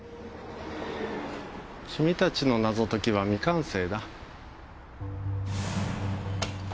君たちの謎解きは未完成だ。